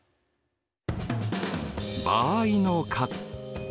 場合の数。